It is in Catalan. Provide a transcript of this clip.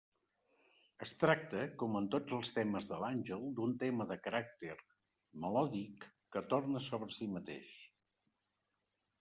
Es tracta, com en tots els temes de l'àngel, d'un tema de caràcter melòdic que torna sobre si mateix.